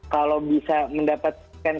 kalau bisa mendapatkan